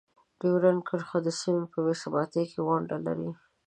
ډیورنډ کرښه د سیمې په بې ثباتۍ کې ونډه لري.